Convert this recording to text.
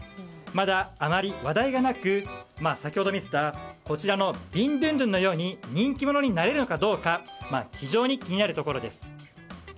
まだ、あまり話題がなく先ほど見たこちらのビンドゥンドゥンのように人気者になれるのかどうか非常に気になるところです。